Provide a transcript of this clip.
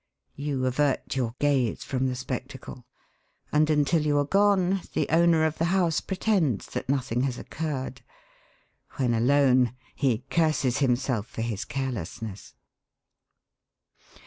You avert your gaze from the spectacle, and until you are gone the owner of the house pretends that nothing has occurred. When alone he curses himself for his carelessness.